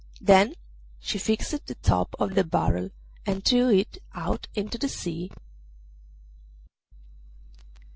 Then she fixed the top on the barrel and threw it out into the sea.